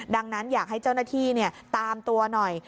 ดังนั้นอยากให้เจ้าหน้าที่ตามตัวหน่อย